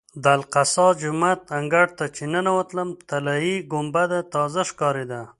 د الاقصی جومات انګړ ته چې ننوتم طلایي ګنبده تازه ښکارېده.